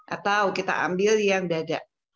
atau kita ambil yang dada